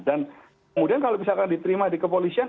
dan kemudian kalau misalkan diterima di kepolisian